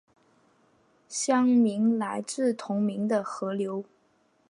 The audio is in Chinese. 县名来自同名的河流。